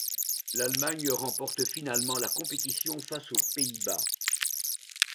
L'Allemagne remporte finalement la compétition face aux Pays-Bas.